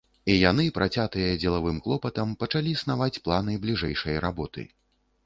І яны, працятыя дзелавым клопатам, пачалі снаваць планы бліжэйшай работы.